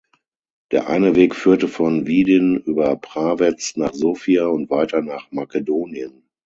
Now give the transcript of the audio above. Der eine Weg führte von Widin über Prawez nach Sofia und weiter nach Makedonien.